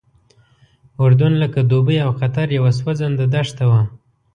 اردن لکه دوبۍ او قطر یوه سوځنده دښته وه.